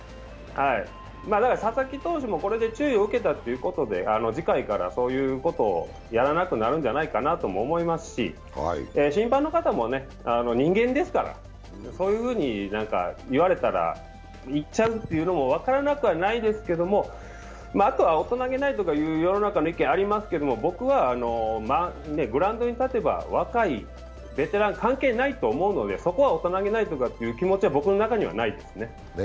だから佐々木投手も、これで注意を受けたということで、次回からそういうことをやらなくなるんじゃないかなと思いますし、審判の方も人間ですから、そういうふうに言われたらいっちゃうというのは、分からなくもないですけどあとは大人げないとかいう世の中の意見ありますけど、僕はグラウンドに立てば、若い、ベテラン関係ないと思うので、そこは大人げないという気持ちは僕の中にはないですね。